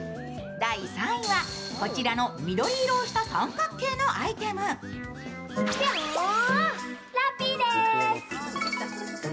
第３位は、こちらの緑色をした三角形のアイテム。え？